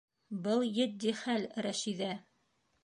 Был етди хәл, Рәшиҙә.